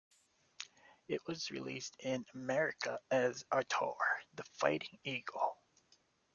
It was released in America as "Ator, The Fighting Eagle".